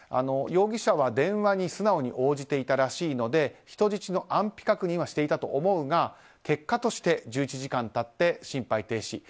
容疑者は電話に素直に応じていたらしいので人質の安否確認はしていたと思うが結果として１１時間経って心肺停止。